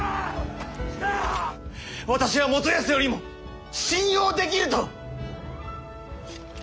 私は元康よりも信用できぬと！